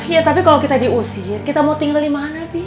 ya tapi kalo kita diusir kita mau tinggal dimana bi